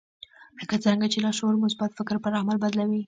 لکه څرنګه چې لاشعور مثبت فکر پر عمل بدلوي.